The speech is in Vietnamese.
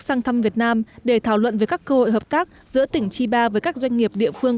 sang thăm việt nam để thảo luận về các cơ hội hợp tác giữa tỉnh chiba với các doanh nghiệp địa phương